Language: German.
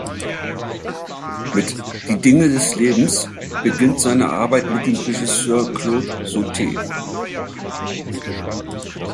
Mit "Die Dinge des Lebens" beginnt seine Arbeit mit dem Regisseur Claude Sautet.